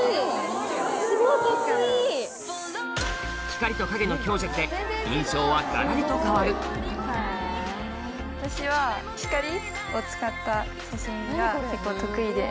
光と影の強弱で印象はガラリと変わる私は光を使った写真が結構得意で。